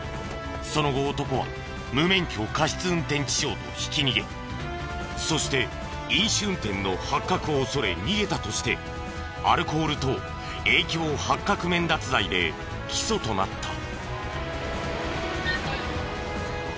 その後男は無免許過失運転致傷とひき逃げそして飲酒運転の発覚を恐れ逃げたとしてアルコール等影響発覚免脱罪で起訴となった。